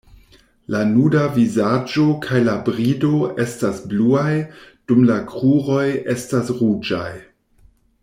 La nuda vizaĝo kaj la brido estas bluaj, dum la kruroj estas ruĝaj.